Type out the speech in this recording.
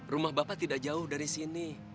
rumah bapak tidak jauh dari sini